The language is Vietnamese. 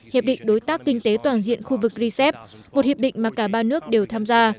hiệp định đối tác kinh tế toàn diện khu vực rcep một hiệp định mà cả ba nước đều tham gia